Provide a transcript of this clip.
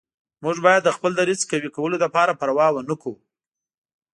موږ باید د خپل دریځ قوي کولو لپاره پروا ونه کړو.